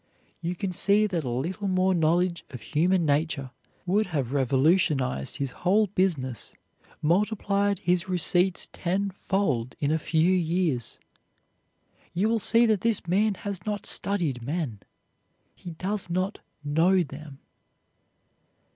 You can see that a little more knowledge of human nature would have revolutionized his whole business, multiplied the receipts tenfold in a few years. You will see that this man has not studied men. He does not know them.